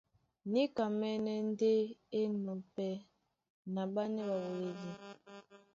Níkamɛ́nɛ́ ndé é enɔ̄ pɛ́ na ɓánɛ́ ɓaɓoledi.